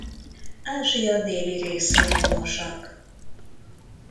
Ázsia déli részén honosak.